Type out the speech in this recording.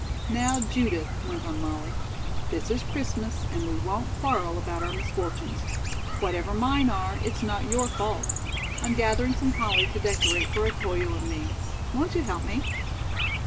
"Now, Judith," went on Molly, "this is Christmas and we won't quarrel about our misfortunes. Whatever mine are, it's not your fault. I'm gathering some holly to decorate for Otoyo and me. Won't you help me?"